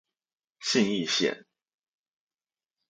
信義線